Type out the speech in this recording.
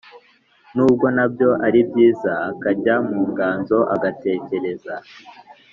nubwo na byo ari byiza, akajya mu nganzo, agatekereza,